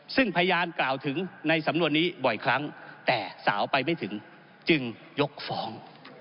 ซึ่งพยานกล่าวถึงในสำนวนนี้บ่อยครั้งแต่สาวไปไม่ถึงจึงยกฟ้อง